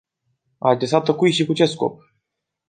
Adresată cui și cu ce scop?